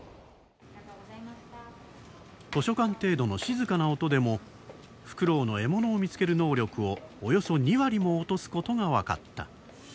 図書館程度の静かな音でもフクロウの獲物を見つける能力をおよそ２割も落とすことが分かった。